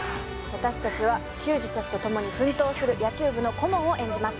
私たちは球児たちとともに奮闘する野球部の顧問を演じます